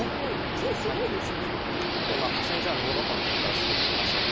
金すごいですね。ということで普通にじゃあ美濃囲いの展開を進めていきましょうか。